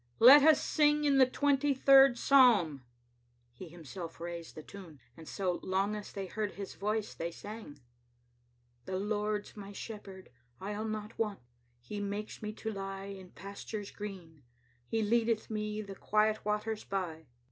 " Let us sing in the twenty third Psalm. •* He himself raised the tune, and so long a» th^^ heard his voice they sang — ••The Lord's my shepherd, I'll not want; He makes me down to lie In pastures green ; He leadeth me The quiet waters by.